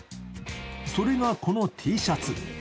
それがこのＴシャツ。